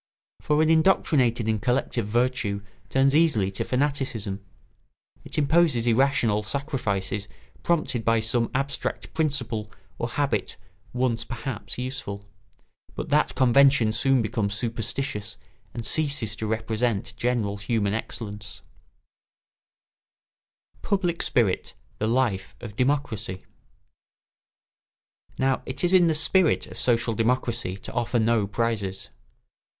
For an indoctrinated and collective virtue turns easily to fanaticism; it imposes irrational sacrifices prompted by some abstract principle or habit once, perhaps, useful; but that convention soon becomes superstitious and ceases to represent general human excellence. [Sidenote: Public spirit the life of democracy.] Now it is in the spirit of social democracy to offer no prizes.